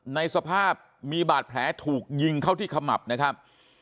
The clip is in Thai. ในสภาพมีบาดแผลถูกยิงเข้าที่ขมับนะครับ